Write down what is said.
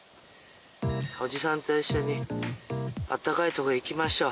おじさんと一緒にあったかいとこ行きましょう。